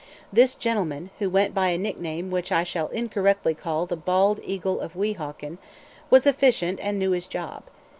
This gentleman, who went by a nickname which I shall incorrectly call "the bald eagle of Weehawken," was efficient and knew his job.